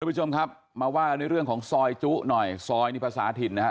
ผู้ชมครับมาว่ากันด้วยเรื่องของซอยจุหน่อยซอยนี่ภาษาถิ่นนะฮะ